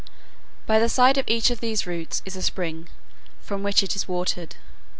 By the side of each of these roots is a spring, from which it is watered.